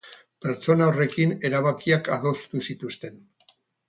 Pertsona horrekin erabakiak adostu zituzten.